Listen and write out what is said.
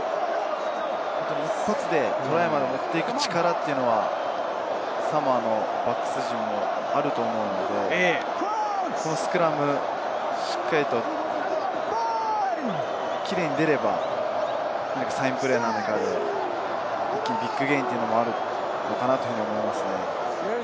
トライまで持っていく力はサモアのバックス陣もあると思うので、このスクラム、しっかりとキレイに出ればサインプレーでビッグゲインもあるのかなと思います。